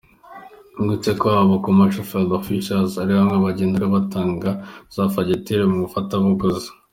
Tubibutse ko aba Commercial Field Officers ari bamwe bagenda batanga za fagitire mu bafatabuguzi.